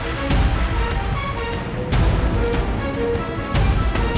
gak mau nembati lagi